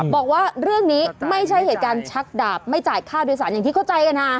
บอกว่าเรื่องนี้ไม่ใช่เหตุการณ์ชักดาบไม่จ่ายค่าโดยสารอย่างที่เข้าใจกันนะ